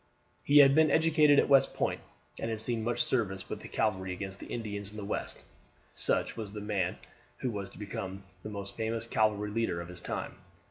He had been educated at West Point, and had seen much service with the cavalry against the Indians in the West. Such was the man who was to become the most famous cavalry leader of his time.